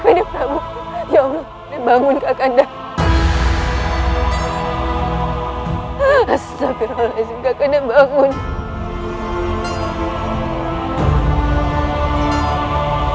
bedeplah bocah itu sengaja menggunakan ajiannya untuk mengelabuhi